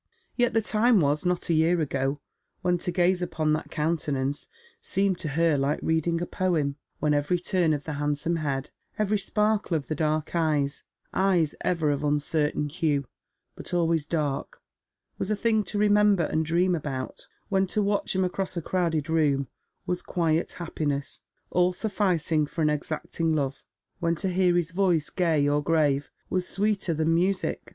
Yet the time was, not a year ago, when to gaze upon that countenance seemed to her like reading a poem, when every turn of the handsome head, every sparkle of the dark eyes — eyes ever of uncertain hue, but alwaj' s dark — was a thing to remember and dream about ;— when to watch him across a crowded room was quiet happiness, all sufficing for an exacting love — when to hear his voice, gay or grave, was sweeter than music.